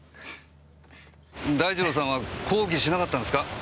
大二郎さんは抗議しなかったんですか？